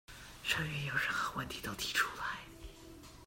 社員有任何問題都提出來